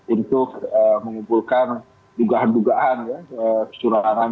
untuk mengumpulkan dugaan dugaan